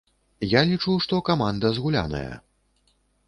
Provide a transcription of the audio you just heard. Я лічу, што каманда згуляная.